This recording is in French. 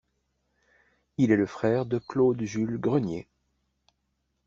Il est le frère de Claude Jules Grenier.